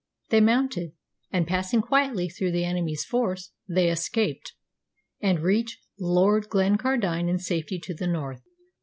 They mounted, and, passing quietly through the enemy's force, they escaped, and reached Lord Glencardine in safety to the north.